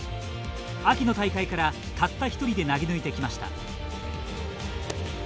秋の大会からたった一人で投げ抜いてきました。